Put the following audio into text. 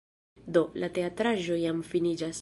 Do, la teatraĵo jam finiĝas